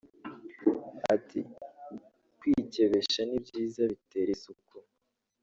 Ati” Kwikebesha ni byiza bitera isuku